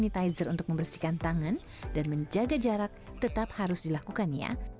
sanitizer untuk membersihkan tangan dan menjaga jarak tetap harus dilakukan ya